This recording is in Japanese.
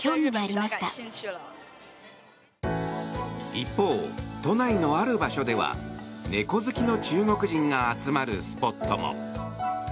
一方、都内のある場所では猫好きの中国人が集まるスポットも。